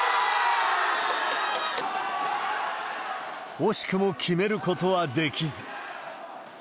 惜しくも決めることはできず。